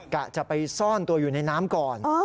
กะจะไปซ่อนตัวอยู่ในน้ำก่อน